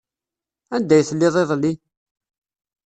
Anda ay telliḍ iḍelli?